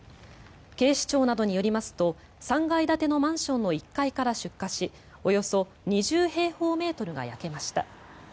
警視庁などによりますと３階建てのマンションの１階から出火しおよそ２０平方メートルが焼けました。